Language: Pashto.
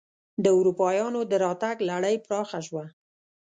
د اروپایانو دراتګ لړۍ پراخه شوه.